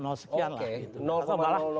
oke sekian begitu